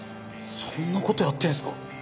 そんなことやってんすか？